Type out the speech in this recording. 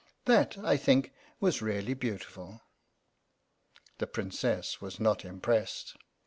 That, I think, was really beautiful." The Princess was not impressed.